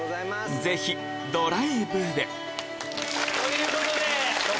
ぜひドライブで！ということで６００ｋｍ